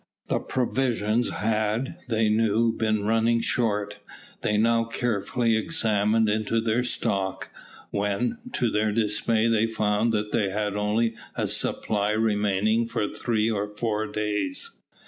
The provisions had, they knew, been running short. They now carefully examined into their stock, when, to their dismay, they found that they had only a supply remaining for three or four days.